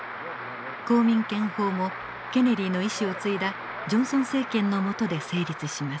公民権法もケネディの遺志を継いだジョンソン政権の下で成立します。